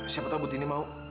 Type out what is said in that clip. siapa tahu butini mau